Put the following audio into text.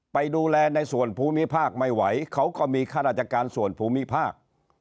ไปดูแลในส่วนภูมิภาคไม่ไหวเขาก็มีข้าราชการส่วนภูมิภาค